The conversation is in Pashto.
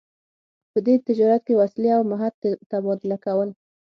په دې تجارت کې وسلې او مهت تبادله کول.